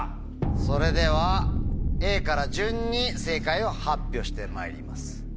それではＡから順に正解を発表してまいります。